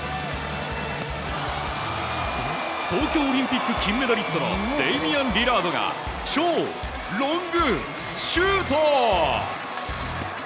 東京オリンピック金メダリストのデイミアン・リラードが超ロングシュート！